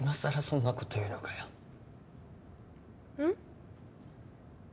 そんなこと言うのかようん？